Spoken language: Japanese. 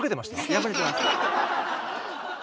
破れてます。